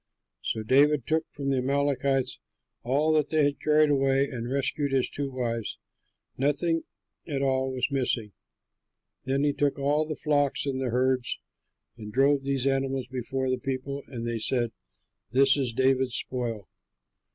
So David took from the Amalekites all that they had carried away and rescued his two wives; nothing at all was missing. Then he took all the flocks and the herds and drove those animals before the people, and they said, "This is David's spoil."